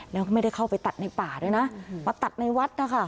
แล้วก็ไม่ได้เข้าไปตัดในป่าด้วยนะมาตัดในวัดนะคะ